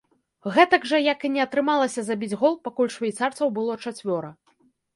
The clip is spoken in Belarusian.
Гэтак жа, як і не атрымалася забіць гол, пакуль швейцарцаў было чацвёра.